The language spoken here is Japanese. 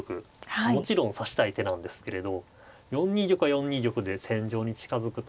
もちろん指したい手なんですけれど４二玉は４二玉で戦場に近づくと。